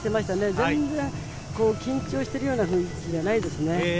全然緊張しているような雰囲気じゃなかったですね。